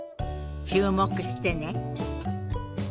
注目してね。